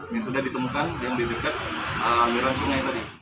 yang sudah ditemukan yang di dekat aliran sungai tadi